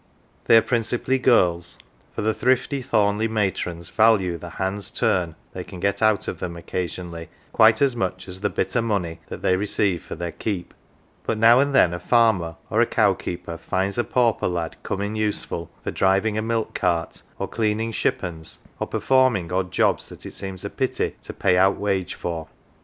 They are principally girls, for the thrifty Thornleigh matrons value the "hand's turn" they can get out of them occasionally quite as much as " the bit o 1 money " that they receive for their keep. But now and then a farmer or a cow keeper finds a pauper lad " come in useful " for driving a milk cart, or cleaning shippons, or performing odd jobs that it seems a pity to " pay out wage " for.